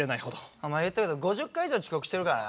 お前言っとくけど５０回以上遅刻してるからな。